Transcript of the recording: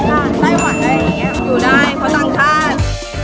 ใต้วันอยู่ได้เพราะตั้งคาด